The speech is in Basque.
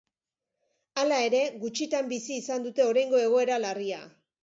Hala ere, gutxitan bizi izan dute oraingo egoera larria.